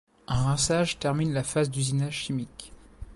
Un rinçage termine la phase d’usinage chimique.